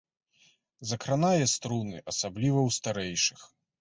Закранае струны, асабліва ў старэйшых.